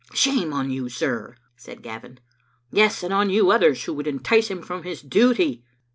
"Shame on you, sir," said Gavin; "yes, and on yon others who would entice him from his duty."